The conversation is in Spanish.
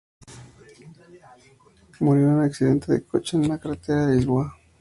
Murió en un accidente de coche en una carretera de Lisboa.